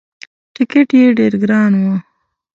ټکت یې ډېر ګران وو.